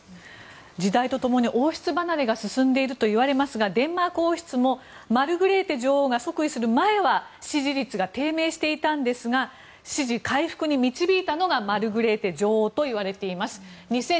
時代と共に王室離れが進んでいるといわれますがデンマーク王室もマルグレーテ女王が即位する前は支持率が低迷していたんですが支持回復に導いたのがマルグレーテ女王といわれています。